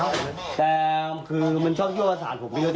มันเพิ่งกินด้วยกันทั้งคู่เลย